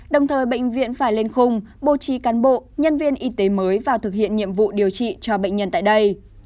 đồng thời bệnh viện phải lên khung bố trí cán bộ nhân viên y tế mới vào thực hiện nhiệm vụ điều trị cho bệnh nhân tại đây